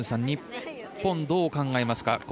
日本はどう考えますか？